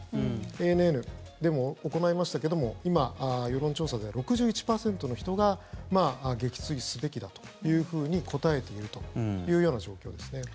ＡＮＮでも行いましたけども今、世論調査では６１％の人が撃墜すべきだというふうに答えているというような状況ですね。